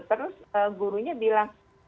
terus gurunya bilang